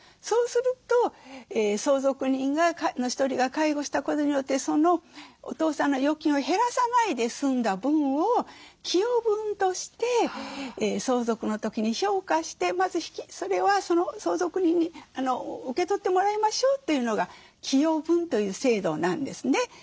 そうすると相続人の１人が介護したことによってそのお父さんの預金を減らさないで済んだ分を寄与分として相続の時に評価してまずそれはその相続人に受け取ってもらいましょうというのが寄与分という制度なんですね。